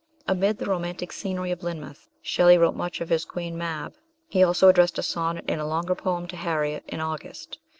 Amid the romantic scenery of Lynmouth, Shelley wrote much of his Queen Mab; he also addressed a sonnet, and a longer poem, to Harriet, in August.